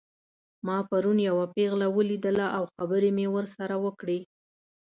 ما پرون یوه پیغله ولیدله او خبرې مې ورسره وکړې